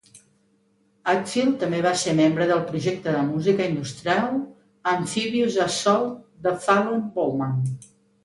Atfield també va ser membre del projecte de música industrial Amphibious Assault de Fallon Bowman.